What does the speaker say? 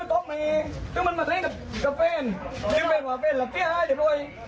มันต้องมีถึงมันมาเล่นกับแฟนซึ่งแฟนว่าแฟนหลับเสี้ยหายเรียบร้อย